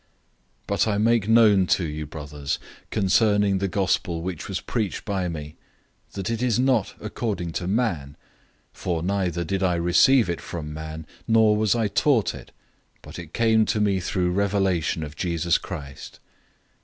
001:011 But I make known to you, brothers, concerning the Good News which was preached by me, that it is not according to man. 001:012 For neither did I receive it from man, nor was I taught it, but it came to me through revelation of Jesus Christ.